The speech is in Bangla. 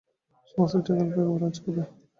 সমস্তটাই গল্প, একেবারেই আজগবি গল্প।